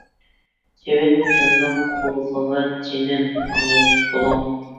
چىۋىن پىلنىڭ قۇلىقىغا :-جېنىم، ماڭا ياتلىق بولۇڭ!